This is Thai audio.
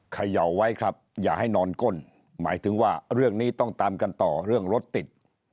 เขย่าไว้ครับอย่าให้นอนก้นหมายถึงว่าเรื่องนี้ต้องตามกันต่อเรื่องรถติด